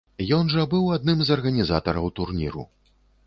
Ён жа быў адным з арганізатараў турніру.